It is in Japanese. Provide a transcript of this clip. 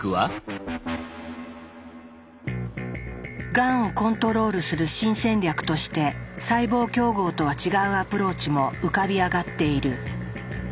がんをコントロールする新戦略として細胞競合とは違うアプローチも浮かび上がっている。